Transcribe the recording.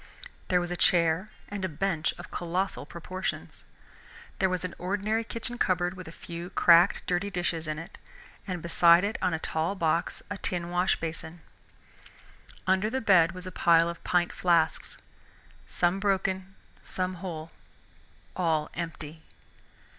There was a chair and a bench of colossal proportions. There was an ordinary kitchen cupboard with a few cracked dirty dishes in it, and beside it on a tall box a tin washbasin. Under the bed was a pile of pint flasks, some broken, some whole, all empty.